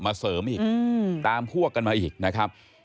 มาเสริมตามพวกกันมาอีก